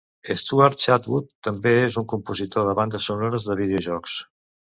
Stuart Chatwood també és un compositor de bandes sonores de vídeo jocs.